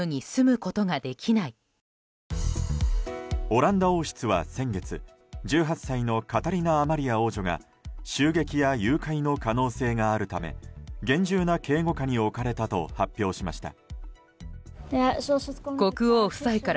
オランダ王室は先月、１８歳のカタリナ・アマリア王女が襲撃や誘拐の可能性があるため厳重な警護下に置かれたと発表しました。